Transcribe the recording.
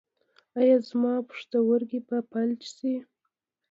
ایا زما پښتورګي به فلج شي؟